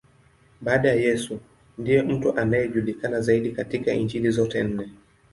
Baada ya Yesu, ndiye mtu anayejulikana zaidi katika Injili zote nne.